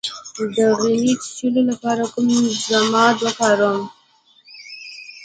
د غڼې د چیچلو لپاره کوم ضماد وکاروم؟